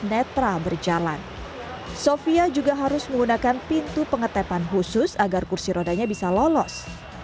netra berjalan sofia juga harus menggunakan pintu pengetepan khusus agar kursi rodanya bisa lolos